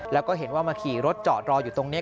แล้วก็เห็นว่ามาขี่รถจอดรออยู่ตรงนี้